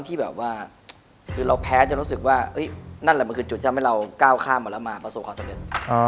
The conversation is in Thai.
แต่มันคือจุดที่ทำให้เราก้าวข้ามแล้วมาประสบความสำเร็จ